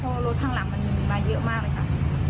เพราะว่ารถข้างหลังมันมีมาเยอะมากเลยค่ะ